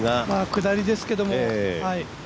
下りですけども。